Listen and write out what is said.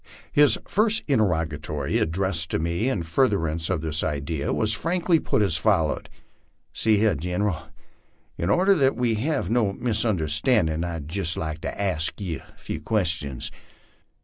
His first interrogatory, addressed to me in furtherance of this idea, was frankly put as follows: " See hyar, Gineral, in order that we hev no misonderstandin', I'd jest like to ask ye a few questions."